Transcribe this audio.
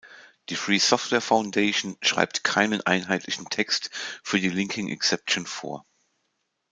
Die Free Software Foundation schreibt keinen einheitlichen Text für die Linking Exception vor.